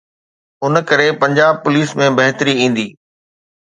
ان ڪري پنجاب پوليس ۾ بهتري ايندي.